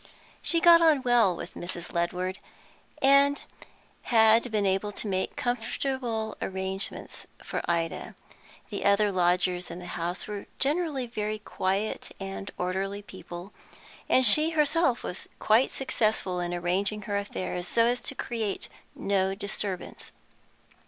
She got on well with Mrs. Ledward, and had been able to make comfortable arrangements for Ida. The other lodgers in the house were generally very quiet and orderly people, and she herself was quite successful in arranging her affairs so as to create no disturbance.